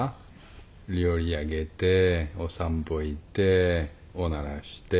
料理あげてお散歩行っておならして。